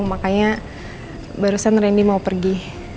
makanya barusan randy mau pergi